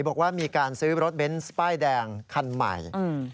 บอกว่ามีการซื้อรถเบนส์ป้ายแดงคันใหม่